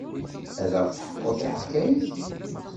Ad aɣ-d-teḥkuḍ taḥkayt?